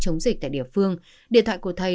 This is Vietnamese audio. chống dịch tại địa phương điện thoại của thầy